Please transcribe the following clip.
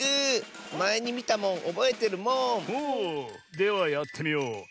ではやってみよう。